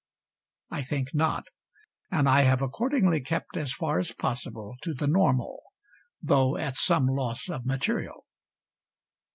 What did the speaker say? I think not; and I have accordingly kept as far as possible to the normal, though at some loss of material.